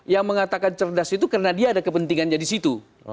yang mengatakan cerdas itu karena dia ada kepentingannya di situ